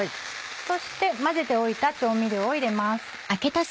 そして混ぜておいた調味料を入れます。